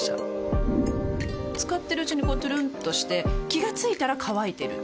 使ってるうちにこうトゥルンとして気が付いたら乾いてる